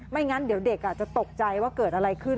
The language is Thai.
งั้นเดี๋ยวเด็กจะตกใจว่าเกิดอะไรขึ้น